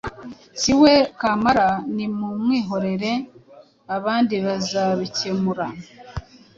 Si we kamara, nimumwihorere abandi bazarukemura.”